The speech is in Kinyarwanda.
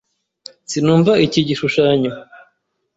Sinumva iki gishushanyo.